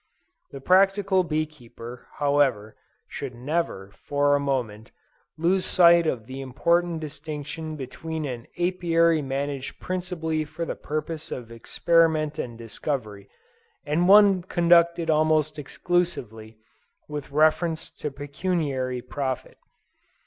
The practical bee keeper, however, should never, for a moment, lose sight of the important distinction between an Apiary managed principally for the purposes of experiment and discovery, and one conducted almost exclusively with reference to pecuniary profit.